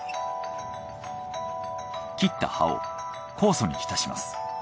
切った葉を酵素に浸します。